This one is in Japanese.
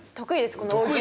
この大喜利。